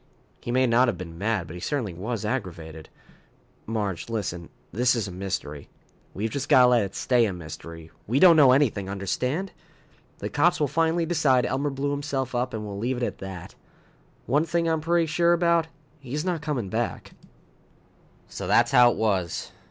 "He may not have been mad, but he certainly was aggravated. Marge, listen! This is a mystery. We've just got to let it stay a mystery. We don't know anything, understand? The cops will finally decide Elmer blew himself up, and we'll leave it at that. One thing I'm pretty sure about he's not coming back." So that's how it was.